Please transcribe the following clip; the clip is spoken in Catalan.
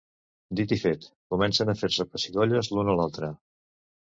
Dit i fet, comencen a fer-se pessigolles l'un a l'altre.